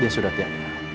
dia sudah tiada